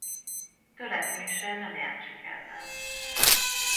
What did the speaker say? Törekvése nem járt sikerrel.